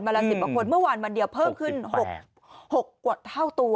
ละ๑๐กว่าคนเมื่อวานวันเดียวเพิ่มขึ้น๖กว่าเท่าตัว